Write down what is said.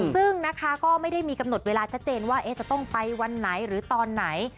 ซึ่งนะคะก็ไม่ได้มีกำหนดเวลาชัดเจนว่าจะต้องไปวันไหนหรือตอนไหน